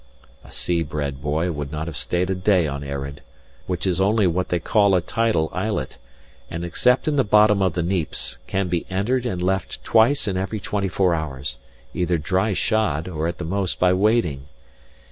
A sea bred boy would not have stayed a day on Earraid; which is only what they call a tidal islet, and except in the bottom of the neaps, can be entered and left twice in every twenty four hours, either dry shod, or at the most by wading.